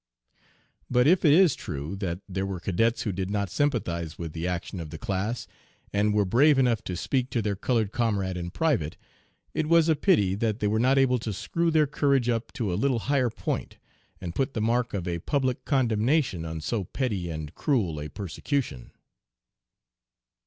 But if it is true that there were cadets who did not sympathize with the action of the class, and were brave enough to speak to their colored comrade in private, it was a pity that they were not able to screw their courage up to a little higher point, and put the mark of a public condemnation on so petty and cruel a persecution."